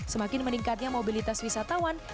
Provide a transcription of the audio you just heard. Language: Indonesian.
semakin meningkatnya mobilitas wisatawan